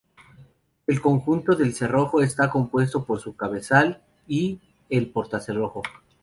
El conjunto del cerrojo está compuesto por su cabezal y el portacerrojo.